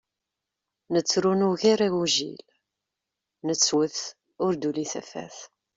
Nettru nugar agujil, nettwwet ur d-tuli tafat.